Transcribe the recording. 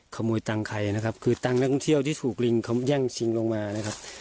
ขโมยตังค์ใครนะครับคือตังค์นักท่องเที่ยวที่ถูกลิงเขาแย่งชิงลงมานะครับ